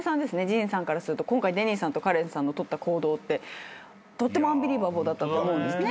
ジーンさんからすると今回デニーさんとカレンさんの取った行動ってとってもアンビリバボーだったと思うんですね。